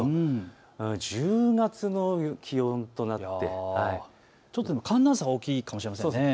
１０月の気温となって寒暖差が大きいかもしれませんね。